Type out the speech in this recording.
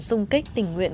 xung kích tình nguyện